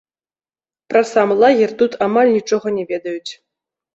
Пра сам лагер тут амаль нічога не ведаюць.